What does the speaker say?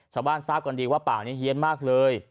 ทราบกันดีว่าป่านี้เฮียนมากเลย